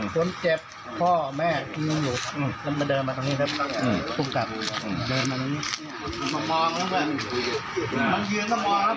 คนเจ็บพ่อแม่กิบหนึ่งนวิลูกแล้วมาเดินมาตรงนี้เนี่ยเถิบ